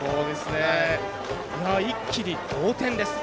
一気に同点です。